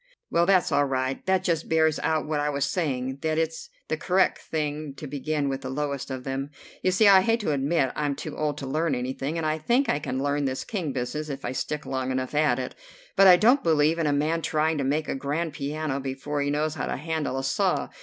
"Well, that's all right. That just bears out what I was saying, that it's the correct thing to begin with the lowest of them. You see I hate to admit I'm too old to learn anything, and I think I can learn this King business if I stick long enough at it. But I don't believe in a man trying to make a grand piano before he knows how to handle a saw.